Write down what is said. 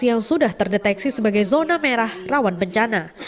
yang sudah terdeteksi sebagai zona merah rawan bencana